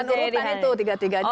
menurutan itu tiga tiga aja